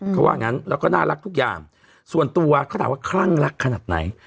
เขาว่างั้นแล้วก็น่ารักทุกอย่างส่วนตัวเขาถามว่าคลั่งรักขนาดไหน